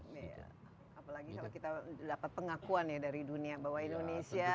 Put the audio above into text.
apalagi kalau kita dapat pengakuan ya dari dunia bahwa indonesia